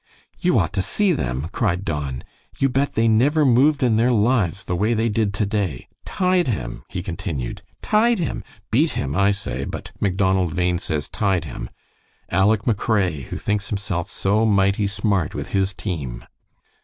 "You ought to see them!" cried Don. "You bet they never moved in their lives the way they did today. Tied him!" he continued. "Tied him! Beat him, I say, but Macdonald Bhain says 'Tied him' Aleck McRae, who thinks himself so mighty smart with his team."